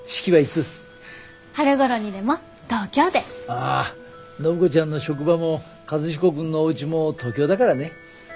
ああ暢子ちゃんの職場も和彦君のおうちも東京だからね。